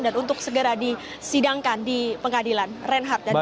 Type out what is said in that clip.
dan untuk segera disidangkan di pengadilan reinhardt dan janiat